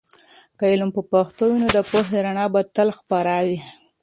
که علم په پښتو وي، نو د پوهې رڼا به تل خپره وي.